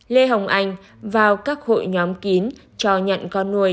lê hồng anh vào các hội nhóm kín cho nhận con nuôi